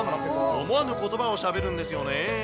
思わぬことばをしゃべるんですよね。